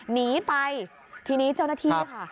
หนีไปทีนี้เจ้าหน้าที่ค่ะ